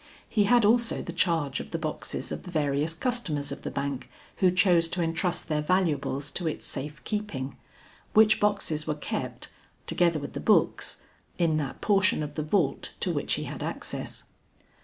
He had also the charge of the boxes of the various customers of the bank who chose to entrust their valuables to its safe keeping; which boxes were kept, together with the books, in that portion of the vault to which he had access.